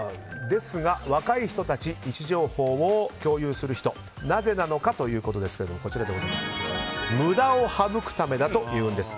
ですが、若い人たち位置情報を共有する人なぜなのかということですが無駄を省くためだというんです。